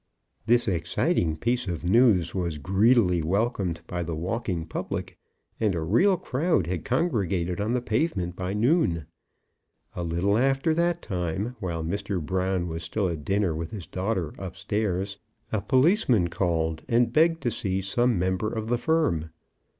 This exciting piece of news was greedily welcomed by the walking public, and a real crowd had congregated on the pavement by noon. A little after that time, while Mr. Brown was still at dinner with his daughter upstairs, a policeman called and begged to see some member of the firm.